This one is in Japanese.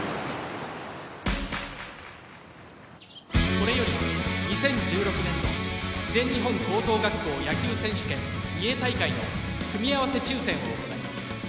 これより２０１６年度全日本高等学校野球選手権三重大会の組み合わせ抽選を行います